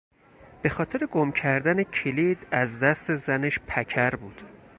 بخاطر گم کردن کلید از دست زنش پکر بود.